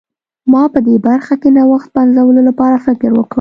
ما په دې برخه کې نوښت پنځولو لپاره فکر وکړ.